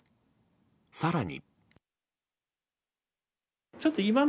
更に。